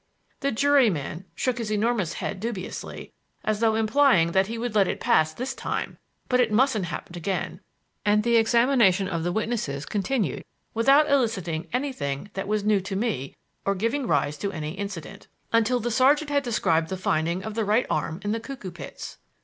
The juryman shook his enormous head dubiously as though implying that he would let it pass this time but it mustn't happen again; and the examination of the witnesses continued, without eliciting anything that was new to me or giving rise to any incident, until the sergeant had described the finding of the right arm in the Cuckoo Pits.